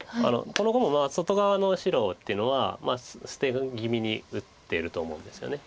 この碁も外側の白っていうのは捨て気味に打ってると思うんですよね。